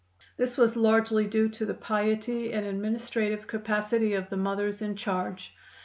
This was largely due to the piety and administrative capacity of the mothers in charge.